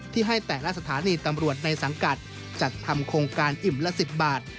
ที่ให้แต่ละสถานีตำรวจในสังกัดจัดทำโครงการอิ่มละ๑๐บาท